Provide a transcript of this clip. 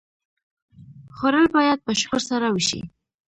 خوړل باید په شکر سره وشي